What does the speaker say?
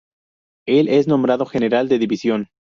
El es nombrado general de división.